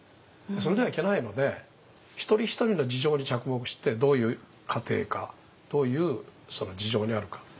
それではいけないので一人一人の事情に着目してどういう家庭かどういう事情にあるか。